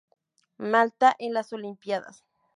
Malta en las Olimpíadas